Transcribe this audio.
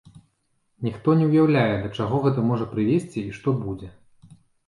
Ніхто не ўяўляе, да чаго гэта можа прывесці і што будзе.